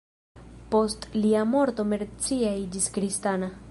Post lia morto Mercia iĝis kristana.